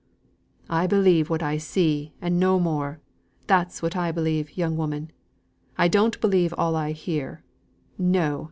"I believe what I see, and no more. That's what I believe, young woman. I don't believe all I hear no!